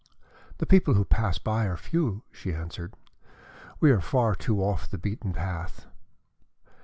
"The people who pass by are few," she answered. "We are too far off the beaten track.